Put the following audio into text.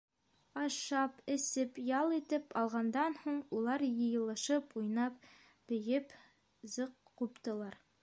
Ашап, эсеп, ял итеп алғандан һуң, улар йыйылышып, уйнап, бейеп, зыҡ ҡуптылар.